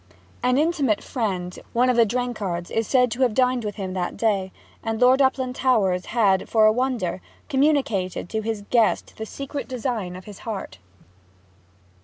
An intimate friend one of the Drenkhards is said to have dined with him that day, and Lord Uplandtowers had, for a wonder, communicated to his guest the secret design of his heart.